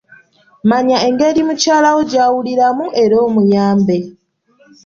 Manya engeri mukyalawo gy'awuliramu era omuyambe.